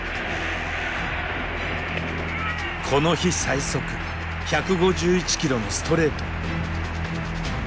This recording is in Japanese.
この日最速１５１キロのストレート。